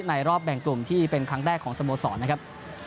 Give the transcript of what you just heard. รอบแบ่งกลุ่มที่เป็นครั้งแรกของสโมสรนะครับ